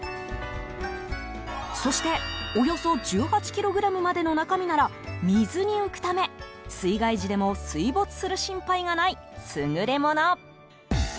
そして、およそ１８ｋｇまでの中身なら水に浮くため水害時でも水没する心配がない優れもの。